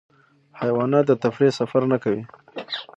حیوانات د تفریح سفر نه کوي.